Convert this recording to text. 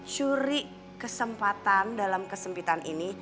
curi kesempatan dalam kesempitan ini